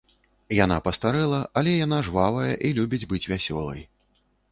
Яна пастарэла, але яна жвавая і любіць быць вясёлай.